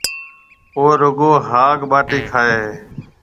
او رُگو هاگ ٻاٽِي کائي هيَ۔